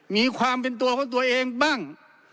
มีความเป็นตัวของตัวเองบ้าง